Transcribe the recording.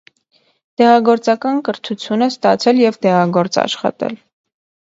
Դեղագործական կրթություն է ստացել և դեղագործ աշխատել։